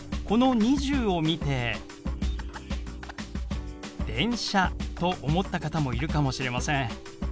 この「２０」を見て「電車」と思った方もいるかもしれません。